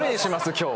今日。